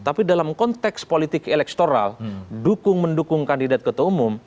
tapi dalam konteks politik elektoral mendukung kandidat kota umum